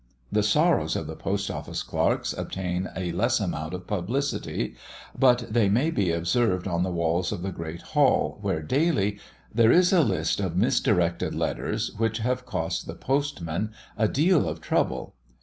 The sorrows of the Post office clerks obtain a less amount of publicity; but they may be observed on the walls of the great hall, where, daily, there is a list of misdirected letters, which have cost the post men a deal of trouble.